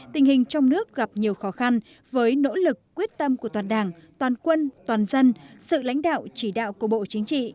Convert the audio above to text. tình hình trong nước gặp nhiều khó khăn với nỗ lực quyết tâm của toàn đảng toàn quân toàn dân sự lãnh đạo chỉ đạo của bộ chính trị